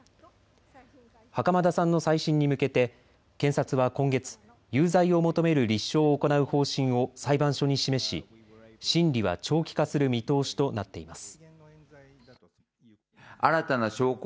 袴田さんの再審に向けて検察は今月、有罪を求める立証を行う方針を裁判所に示し審理は長期化する見通しとなっています。